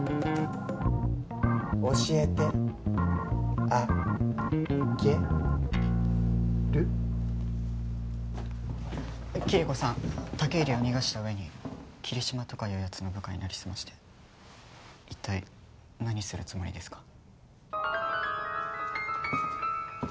教えてあげるキリコさん武入を逃がした上に桐島とかいうやつの部下になりすまして一体何するつもりですか？